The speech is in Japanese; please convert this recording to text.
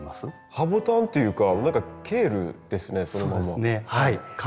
ハボタンっていうか何かケールですねそのまま。